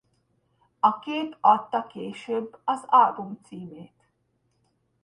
A kép adta később az album címét.